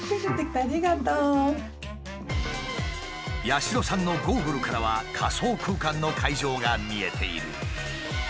八代さんのゴーグルからは仮想空間の会場が見えている。